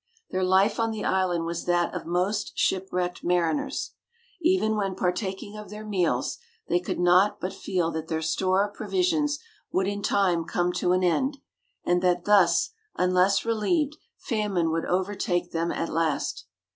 Their life on the island was that of most shipwrecked mariners. Even when partaking of their meals, they could not but feel that their store of provisions would in time come to an end, and that thus, unless relieved, famine would overtake them at last.